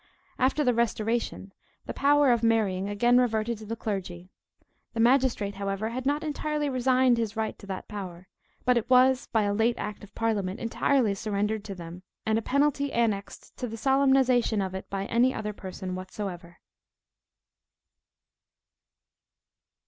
After the Restoration, the power of marrying again reverted to the clergy. The magistrate, however, had not entirely resigned his right to that power; but it was by a late act of parliament entirely surrendered to them, and a penalty annexed to the solemnization of it by any other person whatever.